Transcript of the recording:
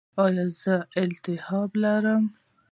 ایا زه التهاب لرم؟